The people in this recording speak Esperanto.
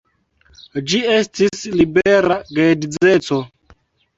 Ĝi estis "libera geedzeco".